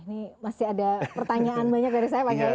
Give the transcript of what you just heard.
ini masih ada pertanyaan banyak dari saya pak kiai